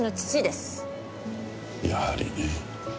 やはり。